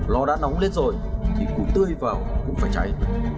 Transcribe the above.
lo đã nóng lên rồi thì củ tươi vào cũng phải cháy